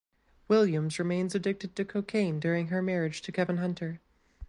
Williams remains addicted to cocaine during her marriage to Kevin Hunter.